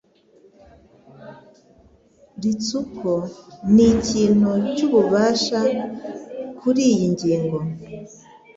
Ritsuko nikintu cyububasha kuriyi ngingo